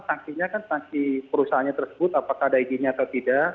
sanksinya kan sanksi perusahaannya tersebut apakah ada izinnya atau tidak